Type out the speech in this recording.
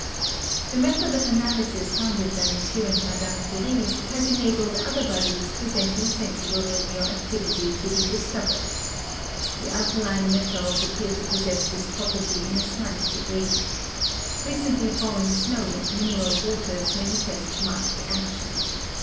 The method of analysis founded by M. and Madame Curie has enabled other bodies presenting sensible radioactivity to be discovered. The alkaline metals appear to possess this property in a slight degree. Recently fallen snow and mineral waters manifest marked action.